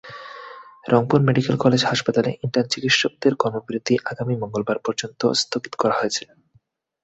Rangpur medical college হাসপাতালে intern চিকিৎসকদের কর্মবিরতি আগামী মঙ্গলবার পর্যন্ত স্থগিত করা হয়েছে।